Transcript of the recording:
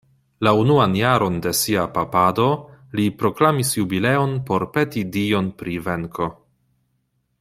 La unuan jaron de sia papado, li proklamis jubileon por peti Dion pri venko.